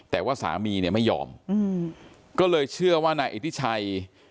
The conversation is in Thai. แต่ว่าสามีเนี่ยไม่ยอมก็เลยเชื่อว่านายอิทธิชัย